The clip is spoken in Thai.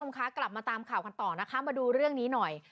ชมคะกลับมาตามข่าวคลับต่อนะครับมาดูเรื่องนี้หน่อย